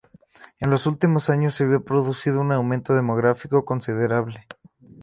En los últimos años se había producido un aumento demográfico considerable.